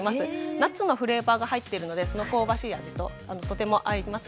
ナッツのフレーバーが入ってるのでその香ばしい味わいととても合います。